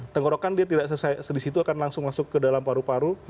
tenggorokan dia tidak selesai disitu akan langsung masuk ke dalam paru paru